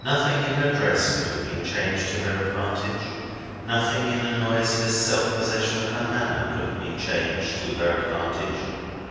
Nothing in her dress could have been changed to her advantage. Nothing in the noiseless self possession of her manner could have been changed to her advantage.